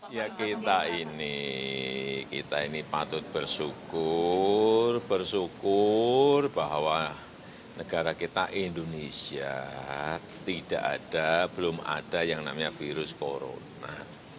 ya kita ini kita ini patut bersyukur bersyukur bahwa negara kita indonesia tidak ada belum ada yang namanya virus corona